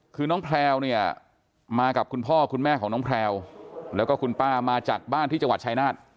คือน้องแพลวเนี่ยมากับคุณพ่อคุณแม่ของน้องแพลวแล้วก็คุณป้ามาจากบ้านที่จังหวัดชายนาฏ